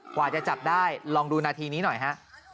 กว่าจะจับได้ลองดูนาทีนี้หน่อยฮะ